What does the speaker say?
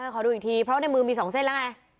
ขอดูอีกทีเพราะในมือมี๒เส้นแล้วไง